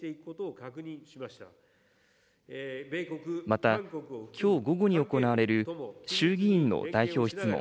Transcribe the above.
また、きょう午後に行われる衆議院の代表質問